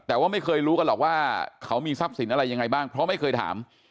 แต่ว่าไม่เคยรู้กันหรอกว่าเขามีทรัพย์สินอะไรยังไงบ้างเพราะไม่เคยถาม